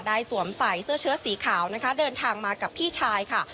สวมใส่เสื้อเชื้อสีขาวนะคะเดินทางมากับพี่ชายค่ะ